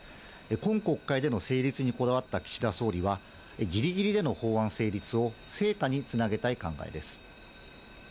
今国会での成立にこだわった岸田総理は、ぎりぎりでの法案成立を成果につなげたい考えです。